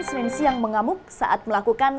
senang senang mengamuk saat melakukan